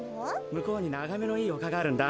むこうにながめのいいおかがあるんだ。